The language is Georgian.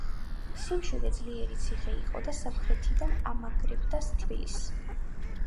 სამშვილდე ძლიერი ციხე იყო და სამხრეთიდან ამაგრებდა თბილისს.